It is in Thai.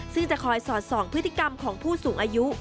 ซึ่งจะคอยสอดส่องพฤติกรรมของผู้สูงอายุ